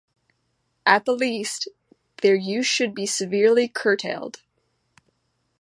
At the least, their use should be severely curtailed.